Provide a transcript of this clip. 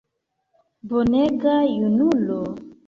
Bonega junulo!